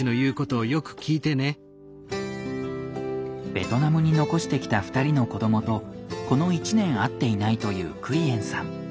ベトナムに残してきた２人の子どもとこの１年会っていないというクイエンさん。